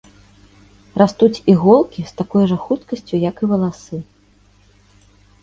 Растуць іголкі з такой жа хуткасцю, як і валасы.